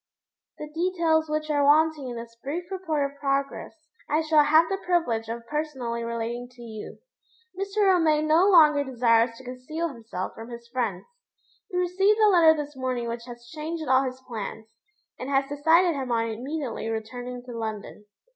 The details which are wanting in this brief report of progress I shall have the privilege of personally relating to you. Mr. Romayne no longer desires to conceal himself from his friends. He received a letter this morning which has changed all his plans, and has decided him on immediately returning to London.